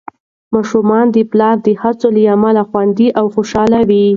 ماشومان د پلار د هڅو له امله خوندي او خوشحال وي.